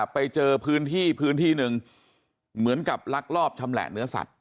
ไปเจอพื้นที่พื้นที่หนึ่งเหมือนกับลักลอบชำแหละเนื้อสัตว